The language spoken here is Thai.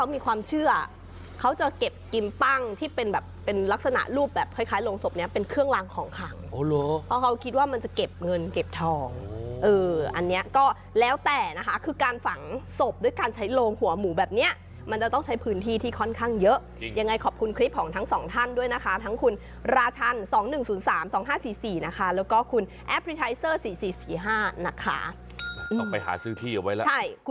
มีความเชื่อเขาจะเก็บกิมปั้งที่เป็นแบบเป็นลักษณะรูปแบบคล้ายโรงศพนี้เป็นเครื่องลางของขังเพราะเขาคิดว่ามันจะเก็บเงินเก็บทองอันนี้ก็แล้วแต่นะคะคือการฝังศพด้วยการใช้โรงหัวหมูแบบนี้มันจะต้องใช้พื้นที่ที่ค่อนข้างเยอะยังไงขอบคุณคลิปของทั้งสองท่านด้วยนะคะทั้งคุณราชัน๒๑๐๓๒๕๔๔นะคะแล้วก็